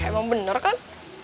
emang bener kan